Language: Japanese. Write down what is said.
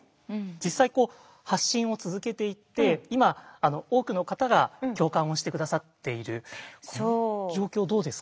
実際こう発信を続けていって今多くの方が共感をして下さっているこの状況どうですか？